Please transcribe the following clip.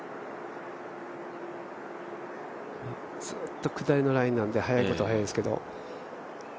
ずっと下りのラインなんで、速いことは速いですけど。